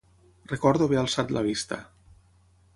Recordo haver alçat la vista.